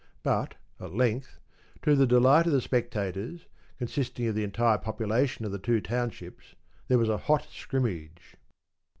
But, at length, to the delight of the spectators, consisting of the entire population of the two townships, there was a hot scrimmage.